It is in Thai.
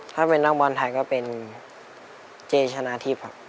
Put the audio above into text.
ถ้าเป็นนักบอลไทยก็เป็นเจชนะทิพย์ครับ